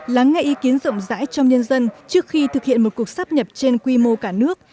lắng nghe ý kiến rộng rãi trong nhân dân trước khi thực hiện một cuộc sắp nhập trên quy mô cả nước